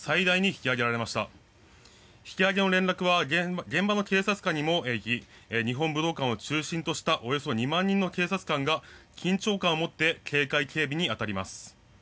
引き上げの連絡は現場の警察官にも行き日本武道館を中心としたおよそ２万人の警察官が緊張感を持って警戒警備に当たります。